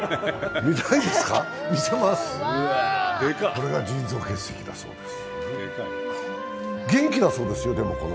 これが腎臓結石だそうです。